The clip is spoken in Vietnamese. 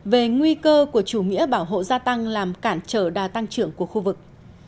về nguy cơ của chủ nghĩa bảo hộ gia tăng làm cản trở đa tăng trưởng của khu vực